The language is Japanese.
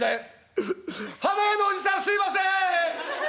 「花屋のおじさんすいません！